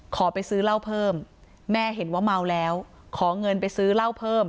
ขอไปซื้อเหล้าเพิ่มแม่เห็นว่าเมาแล้วขอเงินไปซื้อเหล้าเพิ่ม